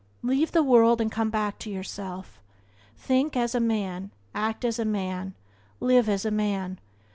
Leave the world and come back to yourself. Think as a man, act as a man, live as a man.